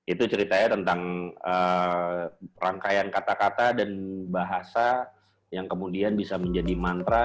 itu ceritanya tentang rangkaian kata kata dan bahasa yang kemudian bisa menjadi mantra